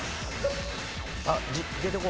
あっ出てこ